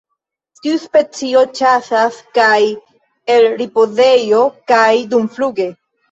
Tiu specio ĉasas kaj el ripozejo kaj dumfluge.